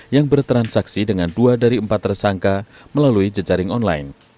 yang bertransaksi dengan dua dari empat tersangka melalui jejaring online